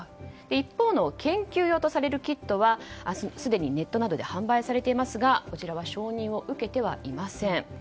一方、研究用とされるキットはすでにネットなどで販売されていますがこちらは承認を受けていません。